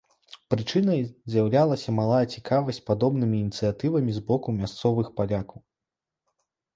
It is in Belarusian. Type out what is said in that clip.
Прычынай з'яўлялася малая цікавасць падобнымі ініцыятывамі з боку мясцовых палякаў.